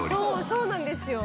そうなんですよ」